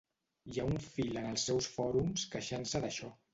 Hi ha un fil en els seus fòrums queixant-se d'això.